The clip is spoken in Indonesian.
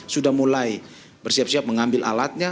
sudah mulai bersiap siap mengambil alatnya